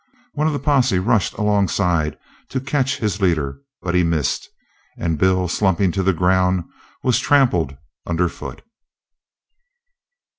One of the posse rushed alongside to catch his leader, but he missed, and Bill, slumping to the ground, was trampled underfoot.